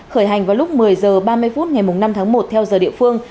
khởi hành vào lúc một mươi h ba mươi phút ngày năm tháng một theo giờ địa phương